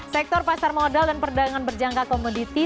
sektor pasar modal dan perdagangan berjangka komoditi